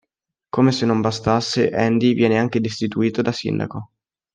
Come se non bastasse, Andy viene anche destituito da sindaco.